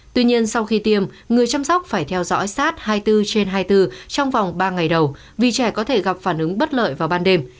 tuy nhiên sau khi tiêm người chăm sóc phải theo dõi sát hai mươi bốn trên hai mươi bốn trong vòng ba ngày đầu vì trẻ có thể gặp phản ứng bất lợi vào ban đêm